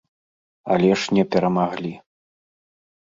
Але ж не перамаглі.